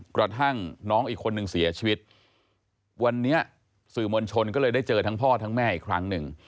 กระทั่งน้องอีกคนนึงเสียชีวิตวันนี้สื่อมวลชนก็เลยได้เจอทั้งพ่อทั้งแม่อีกครั้งหนึ่ง